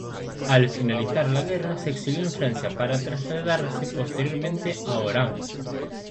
Al finalizar la guerra se exilió en Francia para trasladarse posteriormente a Orán.